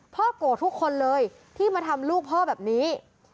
โกรธทุกคนเลยที่มาทำลูกพ่อแบบนี้